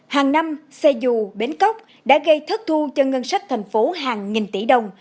hàng năm xe dù bến cóc đã gây thất thu cho ngân sách thành phố hàng nghìn tỷ đồng